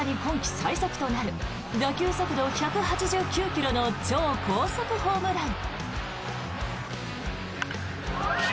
最速となる打球速度１８９ｋｍの超高速ホームラン。